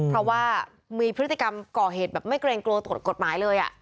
เพราะว่ามีพฤติกรรมก่อเหตุแบบไม่เกรงกลัวกฎหมายเลย